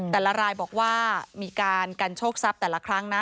รายบอกว่ามีการกันโชคทรัพย์แต่ละครั้งนะ